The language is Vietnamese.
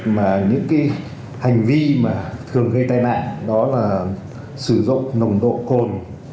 mà những hành vi thường gây tai nạn đó là sử dụng nồng độ cồn